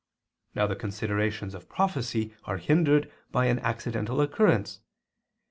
Now the considerations of prophecy are hindered by an accidental occurrence.